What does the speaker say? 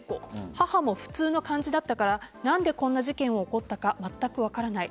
母も普通の感じだったから何でこんな事件が起こったかまったく分からない。